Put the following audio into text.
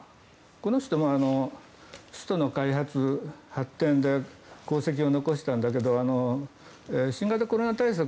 この人も首都の開発・発展で功績を残したんだけど新型コロナ対策